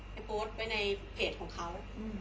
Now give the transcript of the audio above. ให้โพสต์ไว้ในเพจของเค้า